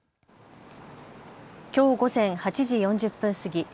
きょう午前８時４０分過ぎ